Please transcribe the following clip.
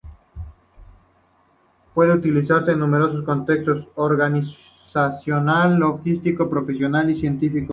Puede utilizarse en numerosos contextos: organizacional, logístico, profesional y científico.